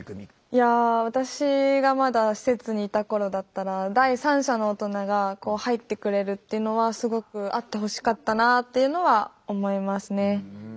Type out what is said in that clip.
いや私がまだ施設にいた頃だったら第三者の大人が入ってくれるっていうのはすごくあってほしかったなっていうのは思いますね。